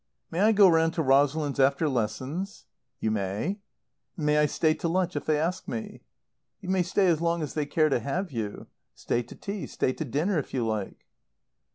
"May I go round to Rosalind's after lessons?" "You may." "And may I stay to lunch if they ask me?" "You may stay as long as they care to have you. Stay to tea, stay to dinner, if you like."